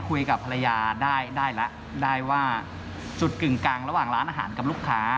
คุยกับภรรยาได้แล้วได้ว่าจุดกึ่งกลางระหว่างร้านอาหารกับลูกค้า